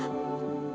kita masih berdua